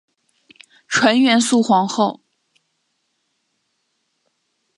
纯元肃皇后。